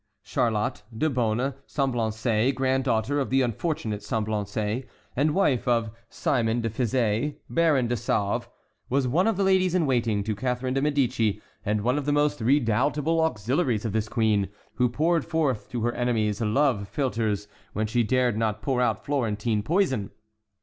Charlotte de Beaune Semblançay, granddaughter of the unfortunate Semblançay, and wife of Simon de Fizes, Baron de Sauve, was one of the ladies in waiting to Catharine de Médicis, and one of the most redoubtable auxiliaries of this queen, who poured forth to her enemies love philtres when she dared not pour out Florentine poison.